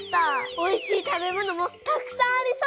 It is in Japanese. おいしい食べ物もたくさんありそう。